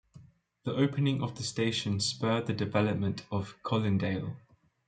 The opening of the station spurred the development of Colindale.